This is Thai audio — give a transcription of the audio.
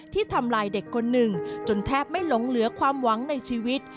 ทำลายเด็กคนหนึ่งจนแทบไม่หลงเหลือความหวังในชีวิต